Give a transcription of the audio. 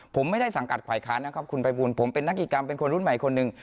ผมไม่ได้สังกัดฝ่ายค้านนะครับคุณภัยบูลผมเป็นนักกิจกรรมเป็นคนรุ่นใหม่คนหนึ่ง